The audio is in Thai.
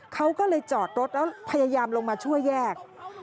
เขาก็เลยจอดรถแล้วพยายามลงมาช่วยแยก